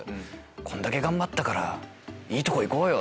こんだけ頑張ったからいいとこ行こうよ！